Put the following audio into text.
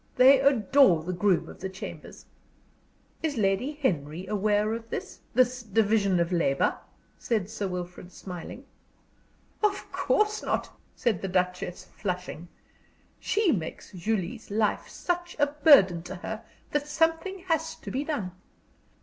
They adore the groom of the chambers." "Is Lady Henry aware of this this division of labor?" said Sir Wilfrid, smiling. "Of course not," said the Duchess, flushing. "She makes Julie's life such a burden to her that something has to be done.